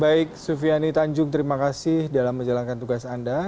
baik sufiani tanjung terima kasih dalam menjalankan tugas anda